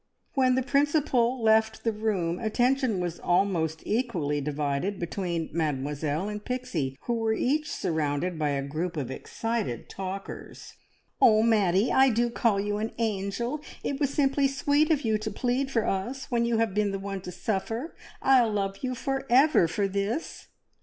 When the Principal left the room, attention was almost equally divided between Mademoiselle and Pixie, who were each surrounded by a group of excited talkers. "Oh, Maddie, I do call you an angel! It was simply sweet of you to plead for us when you have been the one to suffer. I'll love you for ever for this!"